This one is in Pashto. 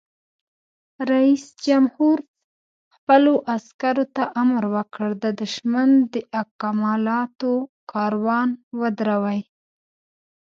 رئیس جمهور خپلو عسکرو ته امر وکړ؛ د دښمن د اکمالاتو کاروان ودروئ!